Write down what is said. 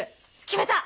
決めた。